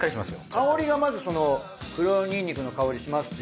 香りがまず黒にんにくの香りしますし。